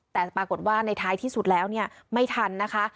แต่ปรากฏว่าในท้ายที่สุดแล้วเนี่ยไม่ทันนะคะ